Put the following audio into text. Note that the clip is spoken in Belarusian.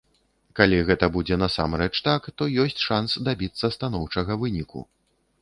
Калі гэта будзе насамрэч так, то ёсць шанс дабіцца станоўчага выніку.